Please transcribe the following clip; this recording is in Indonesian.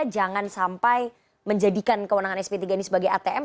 jangan sampai menjadikan kewenangan sp tiga ini sebagai atm